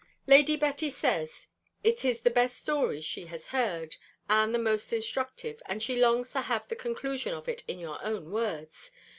Lady Betty says, it is the best story she has heard, and the most instructive; and she longs to have the conclusion of it in your own words.